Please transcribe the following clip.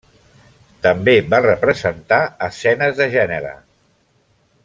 També va representar escenes de gènere.